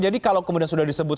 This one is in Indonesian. jadi kalau kemudian sudah disebut